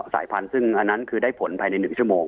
สายพันธุ์ซึ่งอันนั้นคือได้ผลภายใน๑ชั่วโมง